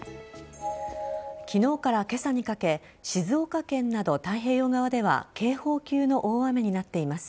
昨日から今朝にかけ静岡県など太平洋側では警報級の大雨になっています。